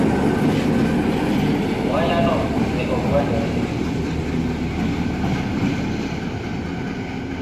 Wayano be ogwande tindo